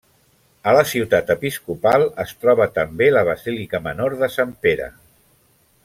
A la ciutat episcopal es troba també la basílica menor de Sant Pere.